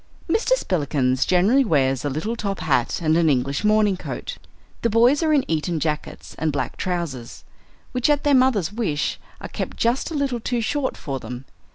Mr. Spillikins generally wears a little top hat and an English morning coat. The boys are in Eton jackets and black trousers, which, at their mother's wish, are kept just a little too short for them.